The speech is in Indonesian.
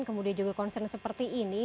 kemudian juga concern seperti ini